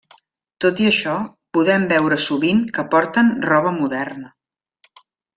Tot i això, podem veure sovint que porten roba moderna.